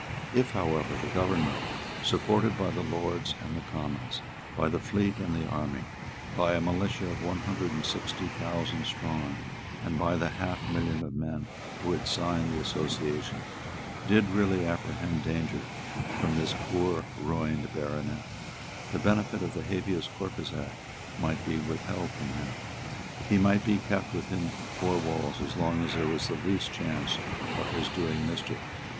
If, however, the government, supported by the Lords and the Commons, by the fleet and the army, by a militia one hundred and sixty thousand strong, and by the half million of men who had signed the Association, did really apprehend danger from this poor ruined baronet, the benefit of the Habeas Corpus Act might be withheld from him. He might be kept within four walls as long as there was the least chance of his doing mischief.